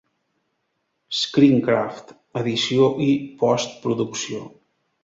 Screencraft: edició i postproducció.